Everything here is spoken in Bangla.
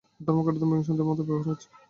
ধর্ম-কথাটা মীমাংসকদের মতে ব্যবহার হচ্ছে।